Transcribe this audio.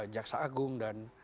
jaksa agung dan